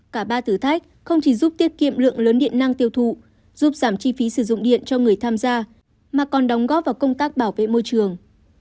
cả ba thử thách không chỉ giúp tiết kiệm lượng lớn điện năng tiêu thụ giúp giảm chi phí sử dụng điện cho người tham gia mà còn đóng góp vào công tác bảo vệ môi trường